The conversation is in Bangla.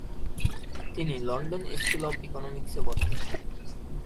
তিনি লন্ডন স্কুল অব ইকোনমিক্সে ভর্তি হন।